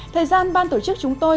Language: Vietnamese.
thời gian ban tổ chức chúng tôi